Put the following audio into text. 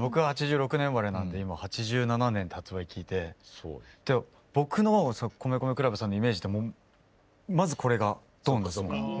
僕は８６年生まれなので今８７年って発売聞いて僕の米米ＣＬＵＢさんのイメージってまずこれがドン！ですもん。